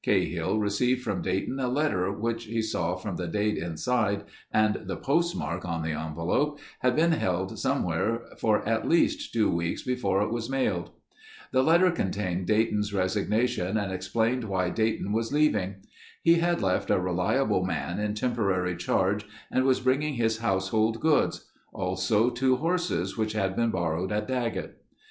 Cahill received from Dayton a letter which he saw from the date inside and the postmark on the envelope, had been held somewhere for at least two weeks before it was mailed. The letter contained Dayton's resignation and explained why Dayton was leaving. He had left a reliable man in temporary charge and was bringing his household goods; also two horses which had been borrowed at Daggett.